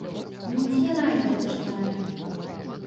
Мы ўсе райдары чытаем.